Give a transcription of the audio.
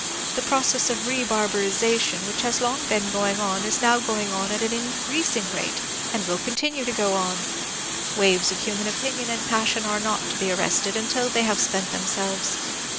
The process of rebarbarization which has long been going on is now going on at an increasing rate, and will con tinue to go on. Waves of human opinion and passion are not to be arrested until they have spent themselves.